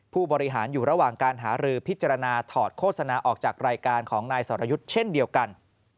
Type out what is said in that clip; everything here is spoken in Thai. ผู้บริหารอยู่ระหว่างการหารือพิจารณาถอดโฆษณาออกจากรายการของนายสรยุทธ์เช่นเดียวกัน